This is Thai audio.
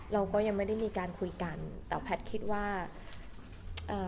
เราก็ยังไม่ได้มีการคุยกันแต่แพทย์คิดว่าเอ่อ